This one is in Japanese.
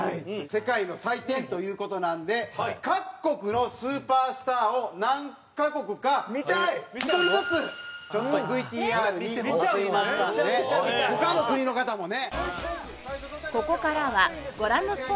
世界の祭典という事なんで各国のスーパースターを何カ国か１人ずつちょっとＶＴＲにまとめましたんで他の国の方もね。